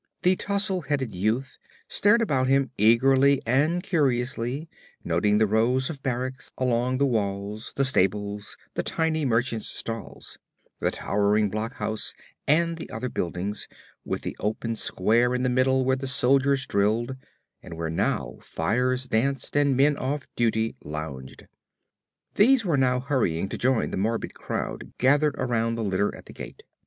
The tousle headed youth stared about him eagerly and curiously, noting the rows of barracks along the walls, the stables, the tiny merchants' stalls, the towering blockhouse, and the other buildings, with the open square in the middle where the soldiers drilled, and where, now, fires danced and men off duty lounged. These were now hurrying to join the morbid crowd gathered about the litter at the gate.